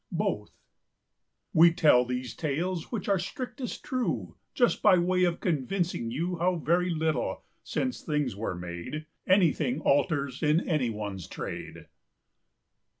BOTH:We tell these tales, which are strictest true, Just by way of convincing youHow very little, since things was made, Anything alters in any one's trade!